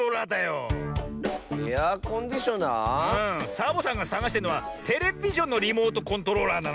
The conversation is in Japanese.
サボさんがさがしてんのはテレビジョンのリモートコントローラーなのに。